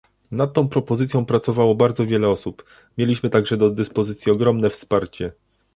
nad tą propozycją pracowało bardzo wiele osób, mieliśmy także do dyspozycji ogromne wsparcie